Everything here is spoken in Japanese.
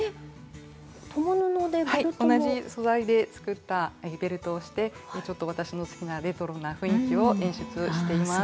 同じ素材で作ったベルトをしてちょっと私の好きなレトロな雰囲気を演出しています。